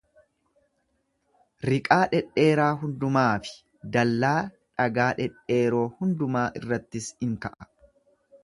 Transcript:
Riqaa dhedheeraa hundumaa fi dallaa dhagaa dhedheeroo hundumaa irrattis in ka'a.